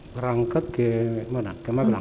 berangkat ke mana